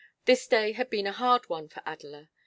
This day had been a hard one for Adela.